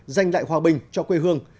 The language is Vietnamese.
giành lại hòa bình cho quê hương